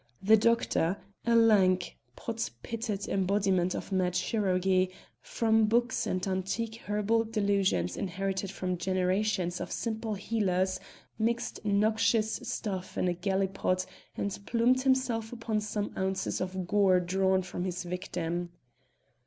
The doctor, a lank, pock pitted embodiment of mad chirurgy from books and antique herbal delusions inherited from generations of simple healers, mixed noxious stuff in a gallipot and plumed himself upon some ounces of gore drawn from his victim.